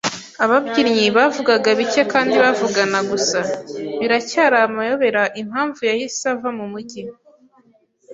Ababyinnyi bavugaga bike kandi bavugana gusa. Biracyari amayobera impamvu yahise ava mumujyi.